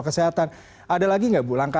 kesehatan ada lagi nggak bu langkah